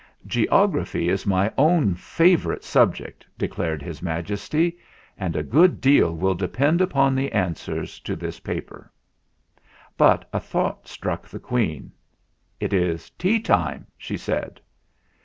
"Geography is my own favourite subject," declared His Majesty ; "and a good deal will de pend upon the answers to this paper. But a thought struck the Queen. "It is tea time," she said.